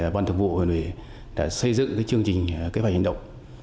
bàn thượng vụ huyện lạng chánh đã xây dựng chương trình kế hoạch hành động